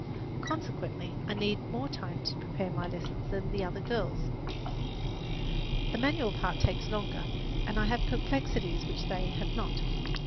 Consequently I need more time to prepare my lessons than other girls. The manual part takes longer, and I have perplexities which they have not.